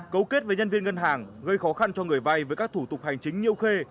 cấu kết với nhân viên ngân hàng gây khó khăn cho người vay với các thủ tục hành chính như khê